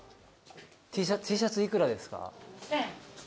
Ｔシャツ幾らですか？